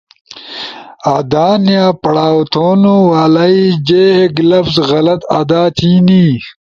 ا آدانیا پڑاؤ تھونو والائی جے ایک لفظ غلط ادا تھینی،